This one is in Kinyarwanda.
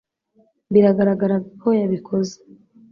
biragaragara ko yabikoze